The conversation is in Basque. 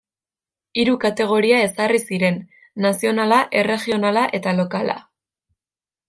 Hiru kategoria ezarri ziren: nazionala, erregionala eta lokala.